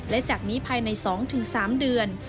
และจากนี้ภายใน๒๓เดือน